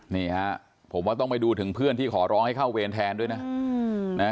นี่ฮะผมว่าต้องไปดูถึงเพื่อนที่ขอร้องให้เข้าเวรแทนด้วยนะ